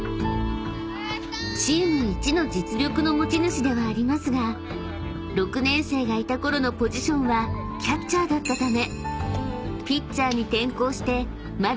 ［チームいちの実力の持ち主ではありますが６年生がいたころのポジションはキャッチャーだったため］